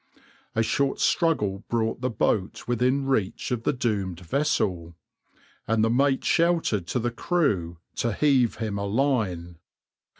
A short struggle brought the boat within reach of the doomed vessel, and the mate shouted to the crew to heave him a line.